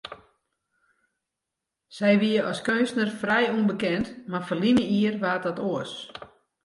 Sy wie as keunstner frij ûnbekend, mar ferline jier waard dat oars.